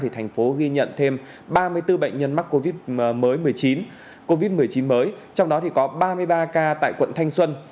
thành phố ghi nhận thêm ba mươi bốn bệnh nhân mắc covid một mươi chín mới trong đó có ba mươi ba ca tại quận thanh xuân